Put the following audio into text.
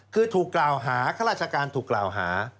คือถูกกล่าวหาข้าราชการถูกกล่าวหา